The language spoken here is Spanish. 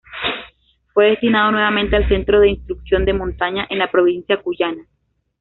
Fue destinado nuevamente al Centro de Instrucción de Montaña en la provincia cuyana.